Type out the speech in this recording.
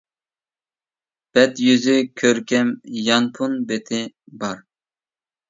بەت يۈزى كۆركەم، يانفون بېتى بار.